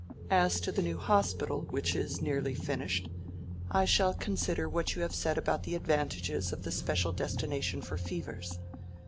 As to the new hospital, which is nearly finished, I shall consider what you have said about the advantages of the special destination for fevers.